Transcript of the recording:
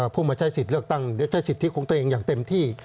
ผู้มาใช้สิทธิ์เลือกตั้งจะใช้สิทธิของตัวเองอย่างเต็มที่